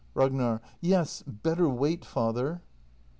Ragnar. Yes, better wait, father!